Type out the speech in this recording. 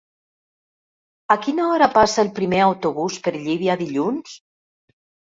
A quina hora passa el primer autobús per Llívia dilluns?